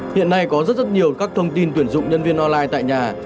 hiện nay có rất rất nhiều các thông tin tuyển dụng nhân viên online tại nhà